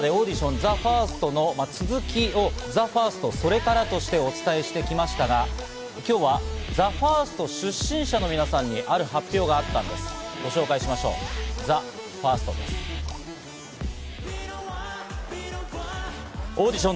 ＴＨＥＦＩＲＳＴの続きを「ＴＨＥＦＩＲＳＴそれから」としてお伝えしてきましたが、今日はＴＨＥＦＩＲＳＴ出身者の皆さんに、ある発表があったんオーディション